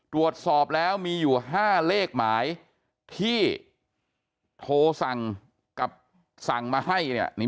ตรวจสอบแล้วมีอยู่๕เลขหมายที่โทรสั่งกับสั่งมาให้เนี่ย